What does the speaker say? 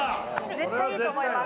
絶対いいと思います。